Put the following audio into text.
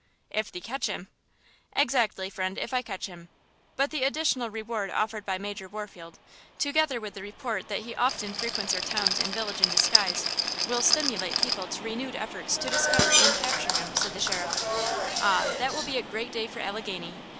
"'If thee catch him!' "'Exactly, friend, if I catch him; but the additional reward offered by Major Warfield, together with the report that he often frequents our towns and village in disguise, will stimulate people to renewed efforts to discover and capture him,' said the sheriff. "'Ah! that will be a great day for Alleghany.